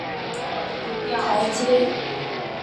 这意味着浦东新区的发展步上了一个新的台阶。